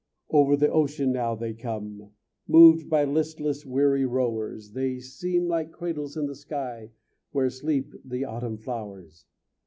Over the ocean now they come, Moved by listless, weary rowers; They seem like cradles in the sky Where sleep the autumn flowers.